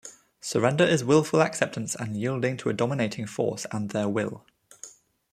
Surrender is willful acceptance and yielding to a dominating force and their will.